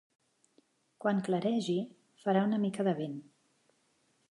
Quan claregi, farà una mica de vent.